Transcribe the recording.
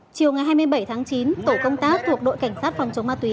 chiều ngày hai mươi bảy tháng chín tổ công tác thuộc đội cảnh sát phòng chính phủ